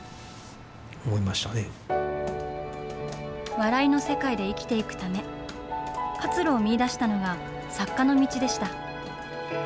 笑いの世界で生きていくため、活路を見いだしたのが作家の道でした。